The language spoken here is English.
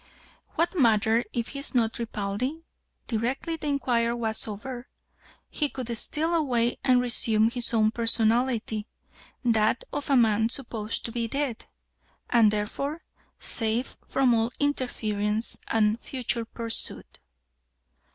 "What matter if he is not Ripaldi? Directly the inquiry was over, he could steal away and resume his own personality that of a man supposed to be dead, and therefore safe from all interference and future pursuit."